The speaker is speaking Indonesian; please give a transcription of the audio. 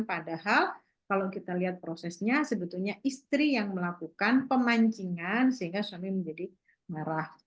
padahal kalau kita lihat prosesnya sebetulnya istri yang melakukan pemancingan sehingga suami menjadi marah